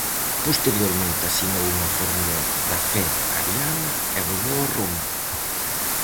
Posteriormente asinou unha fórmula da fe ariana e volveu a Roma.